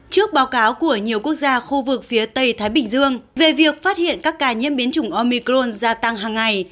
trước báo cáo của nhiều quốc gia khu vực phía tây thái bình dương về việc phát hiện các ca nhiễm biến chủng omicron gia tăng hàng ngày